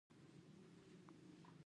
د فراه په پشت رود کې د ګچ کان شته.